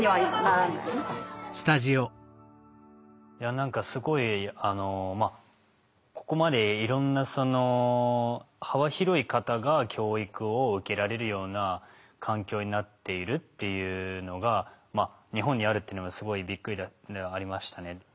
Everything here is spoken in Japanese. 何かすごいここまでいろんなその幅広い方が教育を受けられるような環境になっているっていうのが日本にあるというのがすごいびっくりではありましたね。